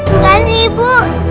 enggak sih ibu